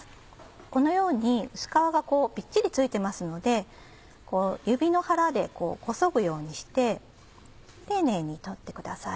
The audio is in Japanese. このように薄皮がびっちりついてますので指の腹でこそぐようにして丁寧に取ってください。